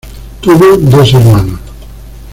Tuvo dos hermanos.